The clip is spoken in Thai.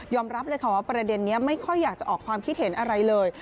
รับเลยค่ะว่าประเด็นนี้ไม่ค่อยอยากจะออกความคิดเห็นอะไรเลย